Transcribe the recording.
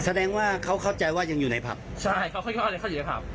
แสดงว่าเขาเข้าใจว่ายังอยู่ในพัพใช่เขาเข้าใจว่ายังอยู่ในพัพ